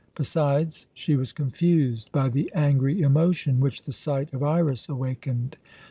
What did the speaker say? Besides, she was confused by the angry emotion which the sight of Iras awakened.